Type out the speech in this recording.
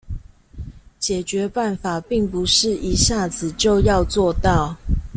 解決辦法並不是一下子就要做到